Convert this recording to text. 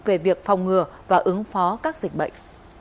về việc phòng ngừa và ứng phó các dịch bệnh